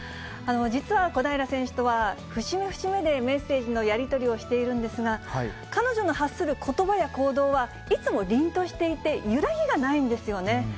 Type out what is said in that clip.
実は小平選手とは、節目節目で、メッセージのやり取りをしているんですが、彼女の発することばや行動は、いつも凛としていて、揺らぎがないんですよね。